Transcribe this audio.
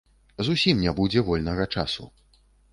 Зусім не будзе вольнага часу.